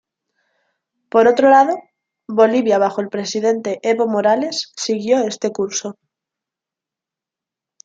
Por otro lado, Bolivia bajo el presidente Evo Morales siguió este curso.